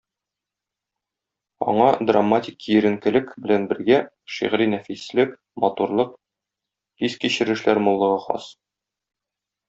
Аңа, драматик киеренкелек белән бергә, шигъри нәфислек, матурлык, хис-кичерешләр муллыгы хас.